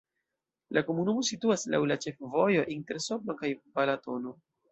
La komunumo situas laŭ la ĉefvojo inter Sopron kaj Balatono.